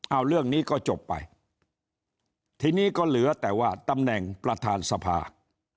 เอาเรื่องนี้ก็จบไปทีนี้ก็เหลือแต่ว่าตำแหน่งประธานสภา